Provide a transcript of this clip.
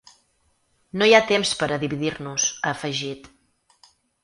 No hi ha temps per a dividir-nos, ha afegit.